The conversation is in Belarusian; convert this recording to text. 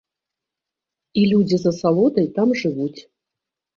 І людзі з асалодай там жывуць.